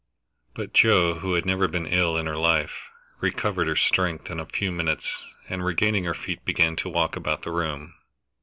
But Joe, who had never been ill in her life, recovered her strength in a few minutes, and regaining her feet began to walk about the room.